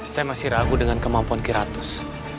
saya masih ragu dengan kemampuan kiratus